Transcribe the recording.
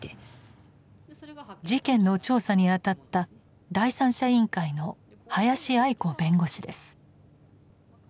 事件の調査にあたった第三者委員会の林亜衣子弁護士です。